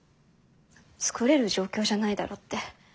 「作れる状況じゃないだろ」って。